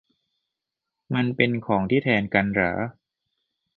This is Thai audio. มันเป็นของที่แทนกันเหรอ ?